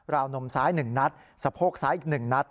วนมซ้าย๑นัดสะโพกซ้ายอีก๑นัด